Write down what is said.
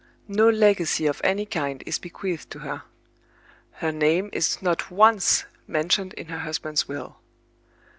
No legacy of any kind is bequeathed to her. Her name is not once mentioned in her husband's will.